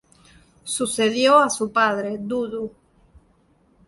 Sucedió a su padre, Dudu.